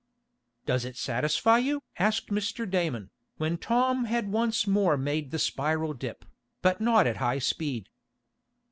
"Does it satisfy you?" asked Mr. Damon, when Tom had once more made the spiral dip, but not at high speed.